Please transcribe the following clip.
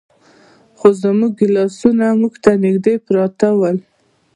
خو زموږ ګیلاسونه موږ ته نږدې پراته ول.